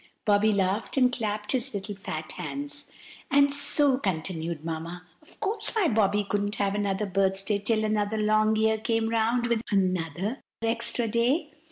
Bobby laughed and clapped his little fat hands. "And so," continued Mamma, "of course my Bobby couldn't have another birthday till another long year came round, with another extra day.